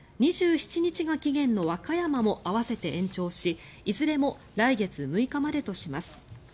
２７日が期限の和歌山も合わせて延長しいずれも来月６日までとします。